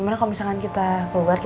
gak peduli baik baik